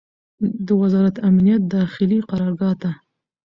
د وزارت امنیت داخلي قرارګاه ته